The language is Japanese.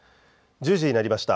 １０時になりました。